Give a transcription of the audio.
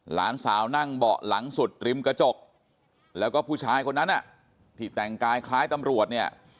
หลานสาวนั่งเบาะหลังสุดริมกระจกแล้วก็ผู้ชายคนนั้นที่แต่งกายคล้ายตำรวจเนี่ย